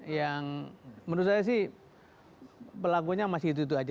yang menurut saya sih pelakunya masih itu itu aja